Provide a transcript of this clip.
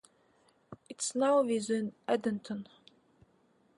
It is now within Edenton.